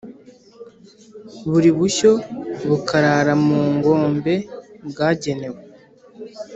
buri bushyo bukarara mu ngombe bwagenewe.